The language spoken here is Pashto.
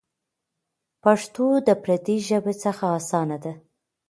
پښتو د پردۍ ژبې څخه اسانه ده.